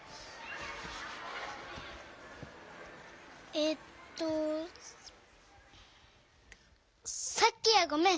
えっとさっきはごめん！